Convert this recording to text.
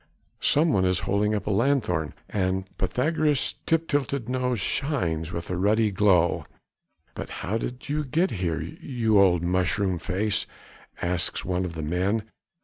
Someone is holding up a lanthorn and Pythagoras' tip tilted nose shines with a ruddy glow. "But how did you get here, you old mushroom face?" asks one of the men.